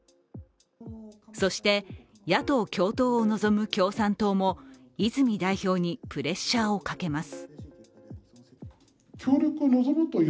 そして野党共闘を望む共産党も泉代表にプレッシャーをかけます。